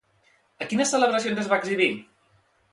A quines celebracions es va exhibir?